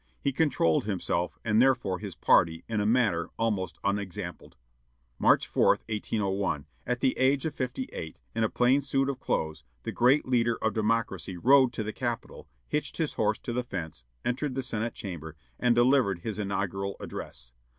He controlled himself, and therefore his party, in a manner almost unexampled. March 4, 1801, at the age of fifty eight, in a plain suit of clothes, the great leader of Democracy rode to the Capitol, hitched his horse to the fence, entered the Senate Chamber, and delivered his inaugural address.